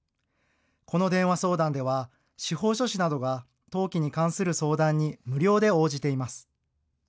この電話相談では司法書士などが登記に関する相談に無料で応じています。